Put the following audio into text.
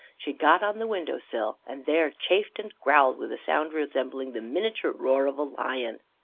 She got on the window sill, and there chafed and growled with a sound resembling the miniature roar of a lion.